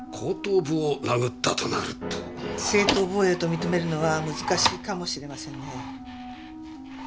正当防衛と認めるのは難しいかもしれませんねえ。